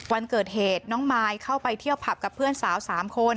วันเกิดเหตุน้องมายเข้าไปเที่ยวผับกับเพื่อนสาว๓คน